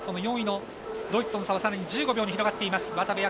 ４位のドイツとの差はさらに１５秒に広がっています。